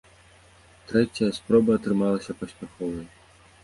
Трэцяя спроба атрымалася паспяховай.